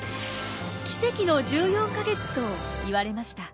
奇跡の１４か月といわれました。